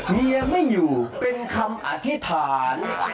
เมียไม่อยู่เป็นคำอธิษฐาน